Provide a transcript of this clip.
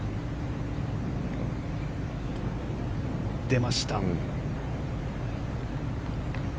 出ました。